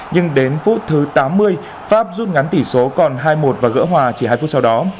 nhưng đến phút thứ tám mươi pháp rút ngắn tỷ số còn hai một và gỡ hòa chỉ hai phút sau đó